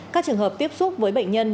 các trường hợp tiếp xúc với bệnh nhân